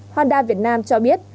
honda việt nam cho biết